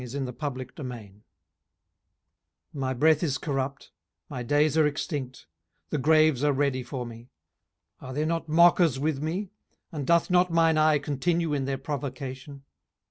18:017:001 My breath is corrupt, my days are extinct, the graves are ready for me. 18:017:002 Are there not mockers with me? and doth not mine eye continue in their provocation?